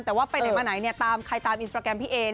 แต่ว่าไปไหนมาไหนตามใครตามอินสตราแกรมพี่เอ